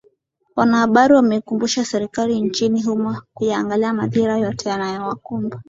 wanahabari wameikumbusha serikali nchini humo kuyaangalia madhira yote yanayowakumba